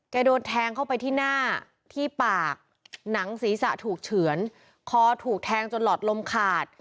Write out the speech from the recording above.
โดนแทงเข้าไปที่หน้าที่ปากหนังศีรษะถูกเฉือนคอถูกแทงจนหลอดลมขาด